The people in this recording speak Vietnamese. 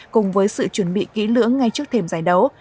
cùng với sự chuẩn bị kỹ lưỡng ngay trước thềm giải đấu